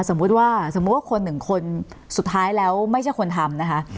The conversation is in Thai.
สมมุติว่าสมมุติว่าคนหนึ่งคนสุดท้ายแล้วไม่ใช่คนทำนะคะ